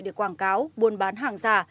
để quảng cáo buôn bán hàng giả